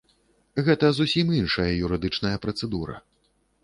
Гэта зусім іншая юрыдычная працэдура.